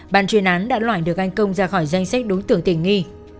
bàn chuyên án đã loại được anh công ra khỏi danh sách đối tượng tình nghi